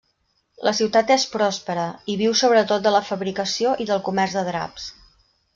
La ciutat és pròspera, i viu sobretot de la fabricació i del comerç de draps.